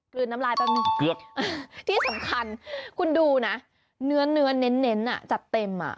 น้ำลายแป๊บนึงที่สำคัญคุณดูนะเนื้อเน้นอ่ะจัดเต็มอ่ะ